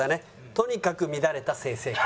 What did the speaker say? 「とにかく乱れた性生活」。